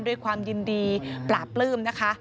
ด้วยความยินดีปราบปลื้มนะคะ